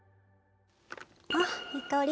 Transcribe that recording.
あっいい香り。